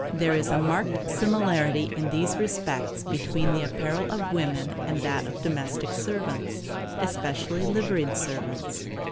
There is a marked similarity in these respects between the apparel of women and that of domestic servants, especially liveried servants.